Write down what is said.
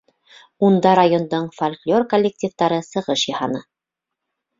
Унда райондың фольклор коллективтары сығыш яһаны.